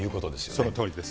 そのとおりです。